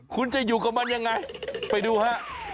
คุณจะอยู่กับมันยังไงไปดูฮะ